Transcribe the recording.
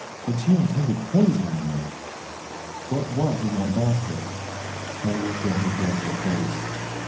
Had she intended poisoning me? What was in that basket? I looked in her dreadful face.